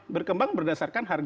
berkembang berdasarkan harga